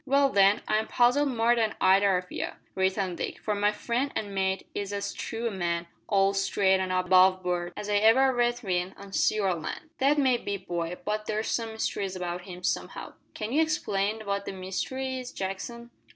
"Well, then, I'm puzzled more than either of ye," returned Dick, "for my friend and mate is as true a man all straight an' aboveboard as ever I met with on sea or land." "That may be, boy, but there's some mystery about him, somehow." "Can ye explain what the mystery is, Jackson?"